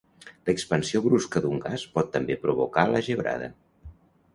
L'expansió brusca d'un gas pot també provocar la gebrada.